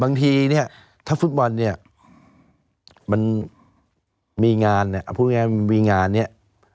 บางทีเนี่ยถ้าฟุตบอลเนี่ยมันมีงานเนี่ยเอาพูดง่ายมันมีงานเนี่ย